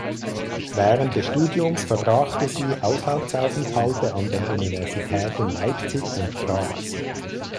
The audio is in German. Während des Studiums verbrachte sie Auslandsaufenthalte an den Universitäten Leipzig und Graz.